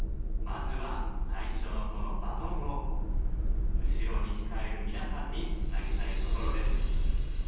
まずは最初のこのバトンを後ろに控える皆さんにつなぎたいところです。